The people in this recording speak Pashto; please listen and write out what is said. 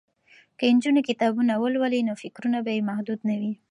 که نجونې کتابونه ولولي نو فکرونه به یې محدود نه وي.